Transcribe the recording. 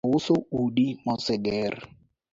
Ouso udi moseger